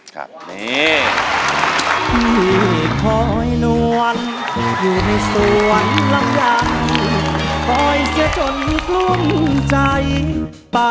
ครับ